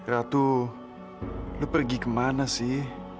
ratu lo pergi ke mana sih